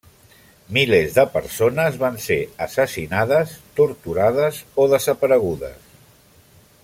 Milers de persones van ser assassinades, torturades o desaparegudes.